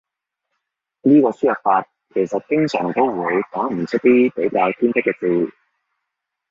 呢個輸入法其實經常都會打唔出啲比較偏僻嘅字